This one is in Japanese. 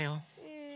うん。